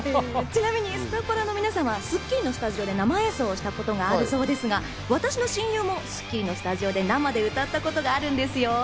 スカパラの皆さんは『スッキリ』のスタジオで生演奏したことがあるそうですが、私の親友も『スッキリ』のスタジオで生で歌ったことがあるんですよ。